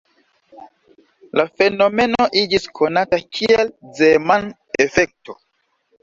La fenomeno iĝis konata kiel Zeeman-efekto.